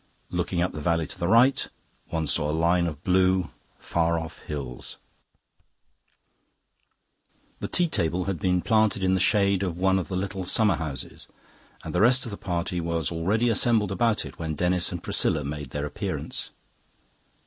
Looking up the valley, to the right, one saw a line of blue, far off hills. The tea table had been planted in the shade of one of the little summer houses, and the rest of the party was already assembled about it when Denis and Priscilla made their appearance.